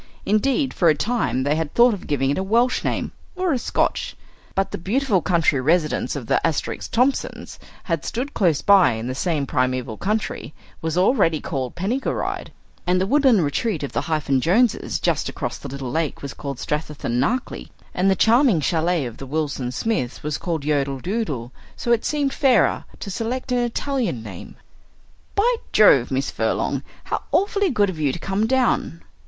Indeed, for a time they had thought of giving it a Welsh name, or a Scotch. But the beautiful country residence of the Asterisk Thomsons had stood close by in the same primeval country was already called Penny gw rydd, and the woodland retreat of the Hyphen Joneses just across the little lake was called Strathythan na Clee, and the charming chalet of the Wilson Smiths was called Yodel Dudel; so it seemed fairer to select an Italian name. "By Jove! Miss Furlong, how awfully good of you to come down!"